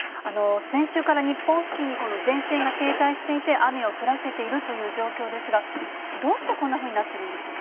先週から日本付近にこの前線が停滞していて雨を降らせているという状況ですが、どうしてこんなふうになっているんでしょうか。